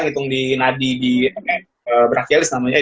ngitung di nadi di brafialis namanya